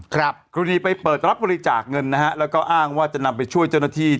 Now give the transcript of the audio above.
ครูนีไปเปิดรับบริจาคเงินนะฮะแล้วก็อ้างว่าจะนำไปช่วยเจ้าหน้าที่